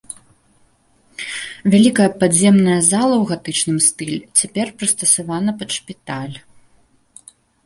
Вялікая падземная зала ў гатычным стылі цяпер прыстасавана пад шпіталь.